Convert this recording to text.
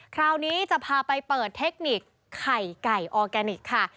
คราวนี้จะพาไปเปิดเทคนิคไข่ไก่ออร์แกนิคค่ะ